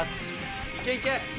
いけいけ。